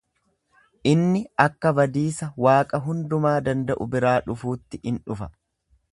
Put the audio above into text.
Inni akka badiisa Waaqa hundumaa danda’u biraa dhufuutti in dhufa.